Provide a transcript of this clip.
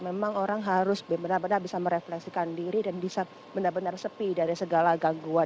memang orang harus benar benar bisa merefleksikan diri dan bisa benar benar sepi dari segala gangguan